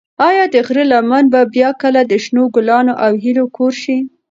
ایا د غره لمنه به بیا کله د شنو ګلانو او هیلو کور شي؟